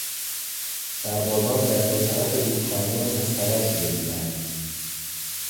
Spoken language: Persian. سربازان در دو طرف رودخانه مستقر شده بودند.